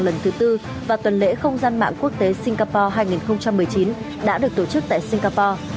lần thứ tư và tuần lễ không gian mạng quốc tế singapore hai nghìn một mươi chín đã được tổ chức tại singapore